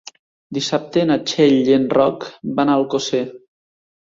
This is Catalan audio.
Dissabte na Txell i en Roc van a Alcosser.